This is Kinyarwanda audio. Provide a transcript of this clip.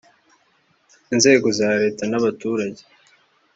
Inzego za Leta n’abaturage